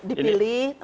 tapi kalau dipilih